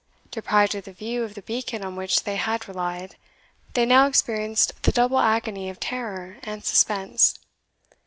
Deprived of the view of the beacon on which they had relied, they now experienced the double agony of terror and suspense.